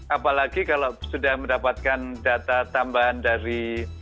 apalagi kalau sudah mendapatkan data tambahan dari